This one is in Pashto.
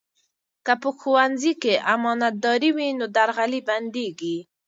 که په ښوونځي کې امانتداري وي، نو درغلي بندېږي.